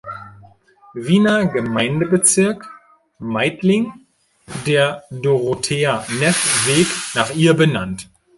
Wiener Gemeindebezirk Meidling der "Dorothea-Neff-Weg" nach ihr benannt.